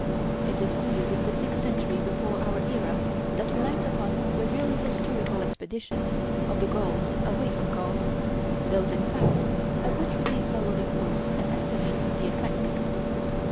It is only with the sixth century before our era that we light upon the really historical expeditions of the Gauls away from Gaul, those, in fact, of which we may follow the course and estimate the effects.